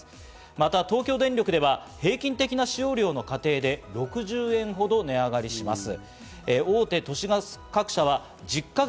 また東京電力では平均的な使用量の家庭で６０円ほど値上がりします。